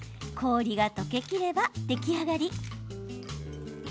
氷が溶けきれば出来上がり。